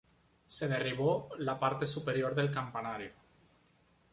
Se derribó la parte superior del campanario.